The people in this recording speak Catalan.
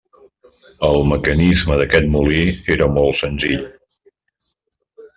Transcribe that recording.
El mecanisme d'aquest molí era molt senzill.